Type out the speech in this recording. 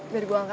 biar gua angkat